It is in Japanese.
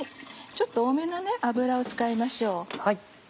ちょっと多めの油を使いましょう。